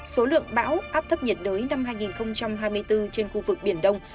số lượng bão áp thấp nhiệt đới năm hai nghìn hai mươi bốn trên khu vực biển đông